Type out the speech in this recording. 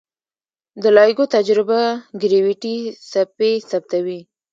د لایګو تجربه ګرویتي څپې ثبتوي.